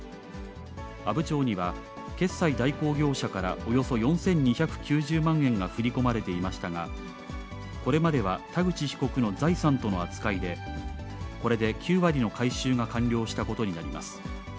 阿武町には、決済代行業者からおよそ４２９０万円が振り込まれていましたが、これまでは田口被告の財産との扱いで、これで９割の回収が完了したことになります。